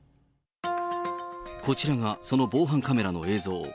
こちらがその防犯カメラの映像。